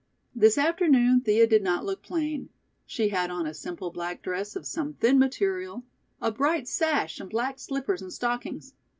This afternoon Thea did not look plain; she had on a simple black dress of some thin material, a bright sash and black slippers and stockings.